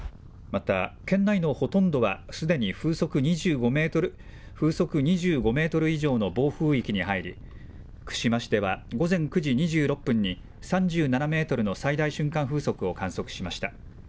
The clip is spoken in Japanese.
また県内のほとんどはすでに風速２５メートル以上の暴風域に入り、串間市では午前９時２６分に、３７メートルの最大瞬間風速を観測しました。